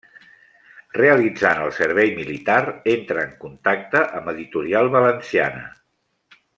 Realitzant el servei militar, entra en contacte amb Editorial Valenciana.